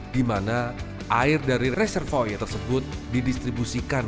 di mana air dari reservoir tersebut didistribusikan